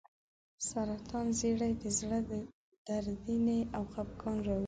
سرطان زیړی د زړه درېدنې او خپګان راوړي.